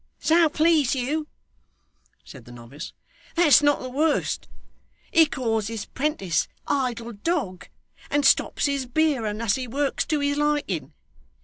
'So please you,' said the novice, 'that's not the worst he calls his 'prentice idle dog, and stops his beer unless he works to his liking.